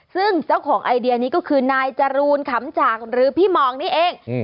ซึ่งเจ้าของไอเดียนี้ก็คือนายจรูนขำจากหรือพี่หมองนี่เอง